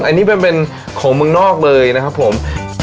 อันนี้เป็นของเมืองนอกเลยนะครับผม